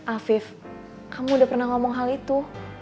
afif kamu udah pernah ngomong hal itu